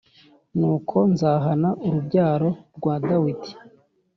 Nuko nzahana urubyaro rwa Dawidi